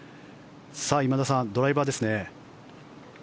今田さん、ドライバーですね。